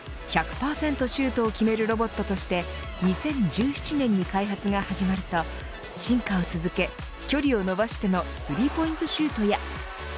シュートを決めるロボットとして２０１７年に開発が始まると進化を続け、距離を伸ばしてのスリーポイントシュートや。